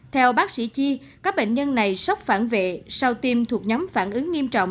theo bác sĩ chi các bệnh nhân này sốc phản vệ sau tiêm thuộc nhóm phản ứng nghiêm trọng